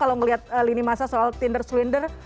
kalau ngelihat lini masa soal tinder slender